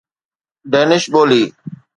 Danish ٻولي